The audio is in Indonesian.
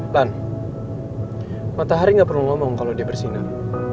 lan matahari gak perlu ngomong kalo dia bersinar